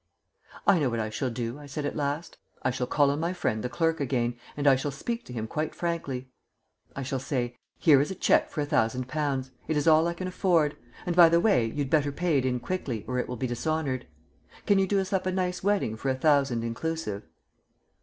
"I know what I shall do," I said at last. "I shall call on my friend the Clerk again, and I shall speak to him quite frankly. I shall say, 'Here is a cheque for a thousand pounds. It is all I can afford and, by the way, you'd better pay it in quickly or it will be dishonoured. Can you do us up a nice wedding for a thousand inclusive?'"